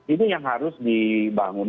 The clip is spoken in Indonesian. itu yang harus dibangun